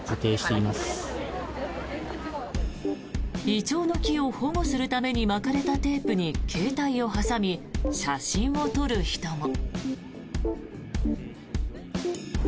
イチョウの木を保護するために巻かれたテープに携帯を挟み写真を撮る人も。